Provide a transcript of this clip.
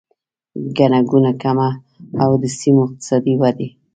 ګڼه ګوڼه کمه او د سیمو اقتصادي ودې